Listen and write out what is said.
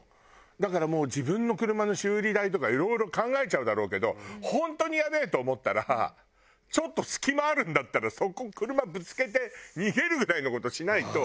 だからもう自分の車の修理代とかいろいろ考えちゃうだろうけど本当にやべえと思ったらちょっと隙間あるんだったらそこ車ぶつけて逃げるぐらいの事しないと。